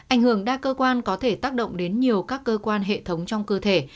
ảnh hưởng đa cơ quan có thể tác động đến nhiều các cơ quan hệ thống trong cơ thể